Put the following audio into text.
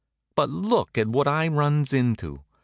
But look what I runs into!